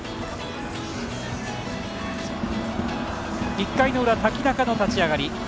１回の裏、瀧中の立ち上がり。